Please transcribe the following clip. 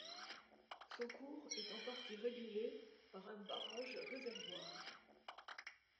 Son cours est en partie régulé par un barrage-réservoir.